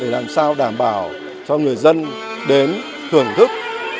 làm sao đảm bảo cho người dân đến thưởng thức